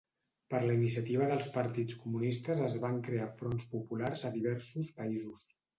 Per la iniciativa dels partits comunistes es van crear Fronts Populars a diversos països.